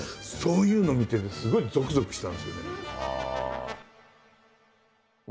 そういうのを見ててすごいゾクゾクしたんですよね。